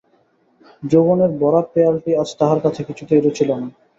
যৌবনের ভরা পেয়ালাটি আজ তাহার কাছে কিছুতেই রুচিল না।